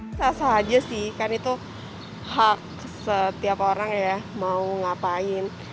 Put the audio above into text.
tidak sahaja sih kan itu hak setiap orang ya mau ngapain